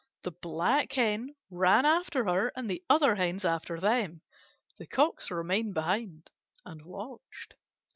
The Black Hen ran after her and the other Hens after them. The Cocks remained behind and watched.